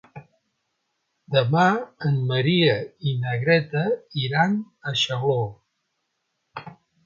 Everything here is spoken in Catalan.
Demà en Maria i na Greta iran a Xaló.